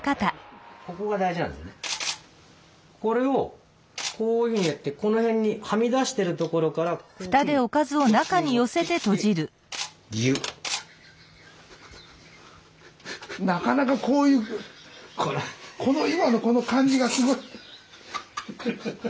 これをこういうふうにやってこの辺にはみ出してるところからこういうふうにこっちに持ってきてなかなかこういうこの今のこの感じがすごい。